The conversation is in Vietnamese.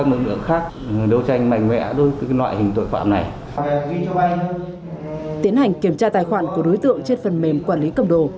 tiến hành kiểm tra tài khoản của đối tượng trên phần mềm quản lý cầm đồ